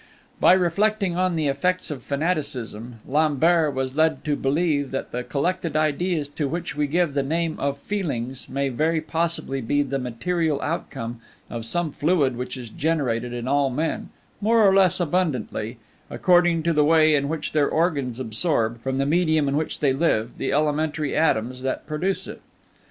By reflecting on the effects of fanaticism, Lambert was led to believe that the collected ideas to which we give the name of feelings may very possibly be the material outcome of some fluid which is generated in all men, more or less abundantly, according to the way in which their organs absorb, from the medium in which they live, the elementary atoms that produce it.